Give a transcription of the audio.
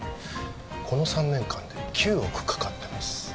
この３年間で９億かかってます